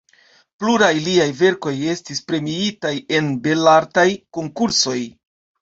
Pluraj liaj verkoj estis premiitaj en Belartaj Konkursoj.